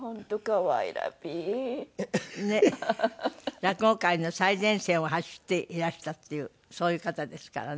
落語界の最前線を走っていらしたっていうそういう方ですからね。